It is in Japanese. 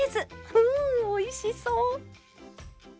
うんおいしそう！